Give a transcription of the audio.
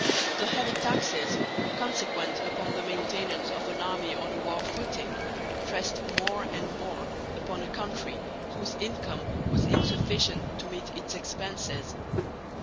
The heavy taxes consequent upon the maintenance of an army on a war footing pressed more and more upon a country whose income was insufficient to meet its expenses.